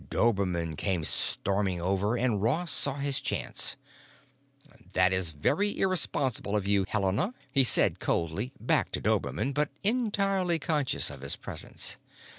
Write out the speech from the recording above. Dobermann came storming over, and Ross saw his chance. "That is very irresponsible of you, Helena," he said coldly, back to Dobermann but entirely conscious of his presence.